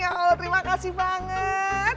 ya allah terima kasih banget